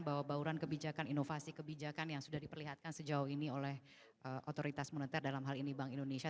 bahwa bauran kebijakan inovasi kebijakan yang sudah diperlihatkan sejauh ini oleh otoritas moneter dalam hal ini bank indonesia